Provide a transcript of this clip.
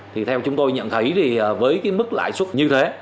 thì theo chúng tôi nhận thấy thì với cái mức lãi suất như thế